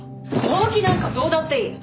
動機なんかどうだっていい。